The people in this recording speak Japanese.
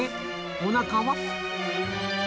おなかは。